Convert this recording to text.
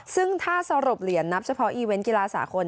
ซึ่งถ้าสรุปเหรียญนับเฉพาะอีเวนต์กีฬาสากล